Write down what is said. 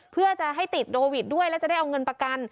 เพื่อจะให้ติดโควิดด้วยแล้วจะได้เอาเงินประกัน